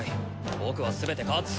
僕はすべて勝つ。